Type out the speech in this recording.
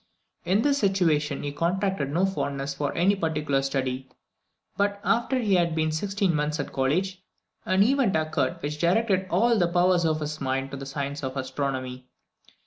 In this situation he contracted no fondness for any particular study; but after he had been sixteen months at college, an event occurred which directed all the powers of his mind to the science of astronomy.